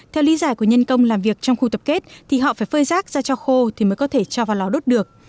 theo lý giải của nhân công làm việc trong khu tập kết thì họ phải phơi rác ra cho khô thì mới có thể cho vào lò đốt được